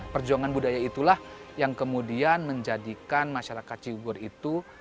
perjuangan budaya itulah yang kemudian menjadikan masyarakat cigugur itu